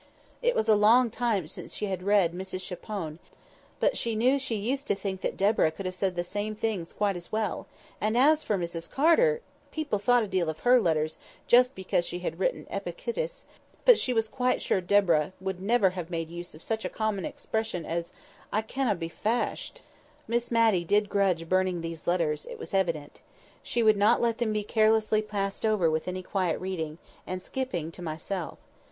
It was a long time since she had read Mrs Chapone, but she knew she used to think that Deborah could have said the same things quite as well; and as for Mrs Carter! people thought a deal of her letters, just because she had written "Epictetus," but she was quite sure Deborah would never have made use of such a common expression as "I canna be fashed!" [Picture: I made use of the time to think of many other things] Miss Matty did grudge burning these letters, it was evident. She would not let them be carelessly passed over with any quiet reading, and skipping, to myself.